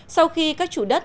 sau khi các chủ đất